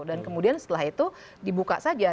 dan kemudian setelah itu dibuka saja